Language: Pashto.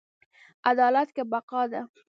عدالت کې بقا ده